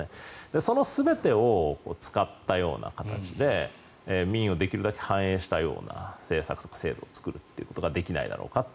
その全てを使ったような形で民意をできるだけ反映したような政策、制度を作ることができないだろうかと。